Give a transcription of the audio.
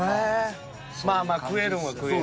まあまあ食えるんは食える。